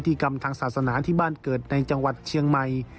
กรรมทางศาสนาที่บ้านเกิดในจังหวัดเชียงใหม่